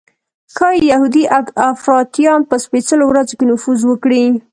ښایي یهودي افراطیان په سپېڅلو ورځو کې نفوذ وکړي.